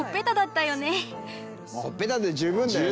ほっぺたで十分だよ。